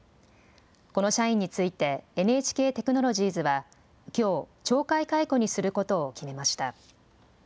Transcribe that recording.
この社員についてＮＨＫテクノロジーズはきょう懲戒解雇にすることを決めました。